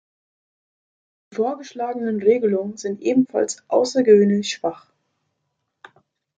Die vorgeschlagenen Regelungen sind ebenfalls außergewöhnlich schwach.